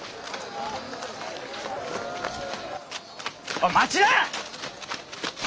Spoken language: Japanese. おい待ちな！